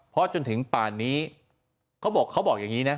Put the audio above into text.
เพราะจนถึงป่านนี้เขาบอกอย่างงี้นะ